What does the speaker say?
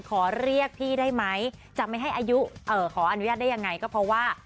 ขอเรียกพี่ได้ไหมจะไม่ให้อายุขออนุญาตได้ยังไงก็เพราะว่า